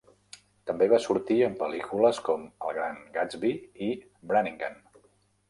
També va sortir en pel·lícules, com "El Gran Gatsby" i "Brannigan".